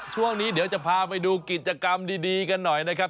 ช่วงนี้เดี๋ยวจะพาไปดูกิจกรรมดีกันหน่อยนะครับ